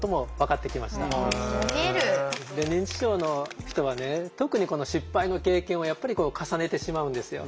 認知症の人はね特に失敗の経験をやっぱり重ねてしまうんですよ。